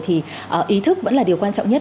thì ý thức vẫn là điều quan trọng nhất